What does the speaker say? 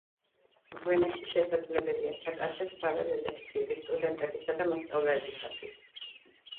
მღვიმეში შესაძლებელია ჩატარდეს საველე ლექციები სტუდენტებისა და მოსწავლეებისათვის.